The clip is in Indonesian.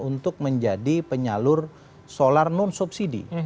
untuk menjadi penyalur solar non subsidi